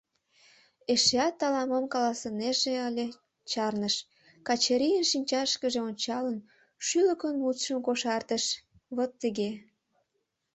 Эшеат ала-мом каласынеже ыле, чарныш, Качырийын шинчашкыже ончалын, шӱлыкын мутшым кошартыш: — Вот тыге...